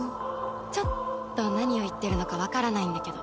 ちょっと何を言ってるのかわからないんだけど？